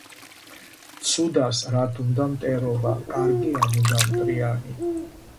ცუდას რათ უნდა მტერობა, კარგია მუდამ მტრიანი